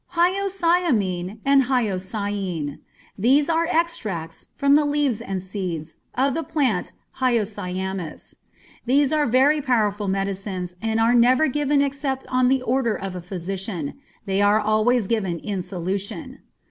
Hyoscyamine and Hyoscine. These are extracts, from the leaves and seeds, of the plant hyoscyamus. These are very powerful medicines, and are never given except on the order of a physician. They are always given in solution.